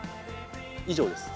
以上です